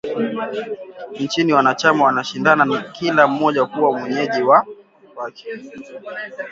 Nchi wanachama wanashindana kila mmoja kuwa mwenyeji wake